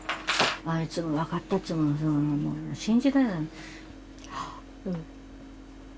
あいつの「分かった」っつうのは信じられない。